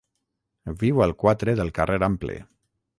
Viu al quatre del carrer Ample.